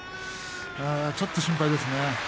ちょっと心配です。